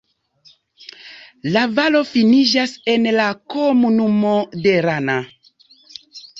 La valo finiĝas en la komunumo de Lana.